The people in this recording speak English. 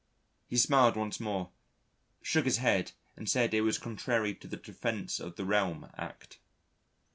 He smiled once more, shook his head and said it was contrary to the Defence of the Realm Act.